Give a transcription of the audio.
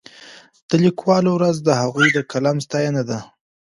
د لیکوالو ورځ د هغوی د قلم ستاینه ده.